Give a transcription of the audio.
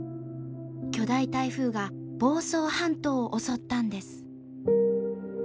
巨大台風が房総半島を襲ったんです。